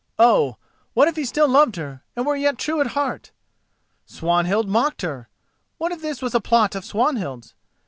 Oh! what if he still loved her and were yet true at heart? Swanhild mocked her!—what if this was a plot of Swanhild's?